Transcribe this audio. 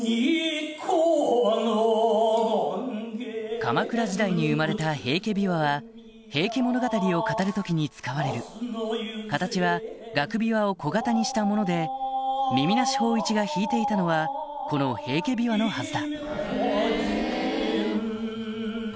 鎌倉時代に生まれた平家琵琶は『平家物語』を語る時に使われる形は楽琵琶を小型にしたもので耳なし芳一が弾いていたのはこの平家琵琶のはずだ